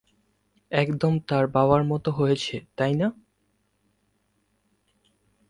একদম তার বাবার মতো হয়েছে তাই না?